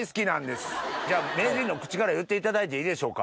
名人の口から言っていただいていいでしょうか。